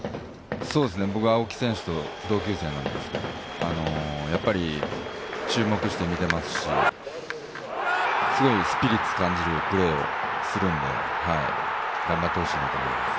僕、青木選手と同級生なんですが、注目して見ていますし、すごいスピリッツ感じるプレーをするんで頑張ってほしいなと思います。